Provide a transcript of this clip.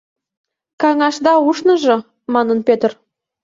— Каҥашда ушныжо! — манын Пӧтыр.